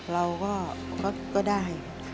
เราก็ได้